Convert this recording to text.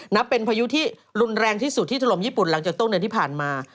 นับเป็นพายุที่รุนแรงที่สุดที่ถล่มญี่ปุ่นหลังจากต้นเดือนที่ผ่านมา